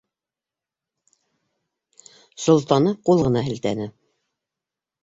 Солтаны ҡул ғына һелтәне.